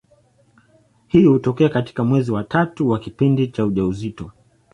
Hii hutokea katika mwezi wa tatu wa kipindi cha ujauzito.